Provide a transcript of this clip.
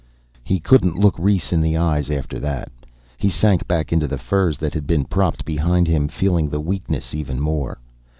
He couldn't look Rhes in the eyes after that. He sank back into the furs that had been propped behind him, feeling the weakness even more.